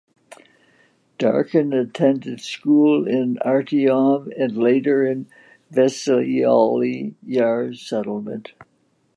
Darkin attended school in Artyom and later in Vesyoly Yar settlement.